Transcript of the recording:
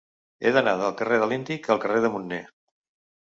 He d'anar del carrer de l'Índic al carrer de Munner.